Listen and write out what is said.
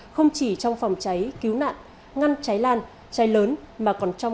không chỉ trong phòng cháy cứu nạn ngăn cháy lan cháy lớn